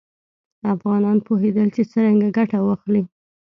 افغانان پوهېدل چې څرنګه ګټه واخلي.